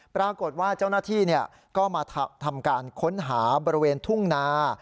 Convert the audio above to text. ปรากฏว่าเจ้าหน้าที่ก็มาทำการค้นหาบริเวณทุ่งนา